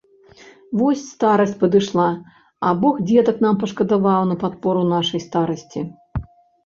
Вось старасць падышла, а бог дзетак нам пашкадаваў на падпору нашай старасці.